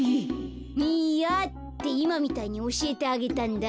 ミアっていまみたいにおしえてあげたんだ。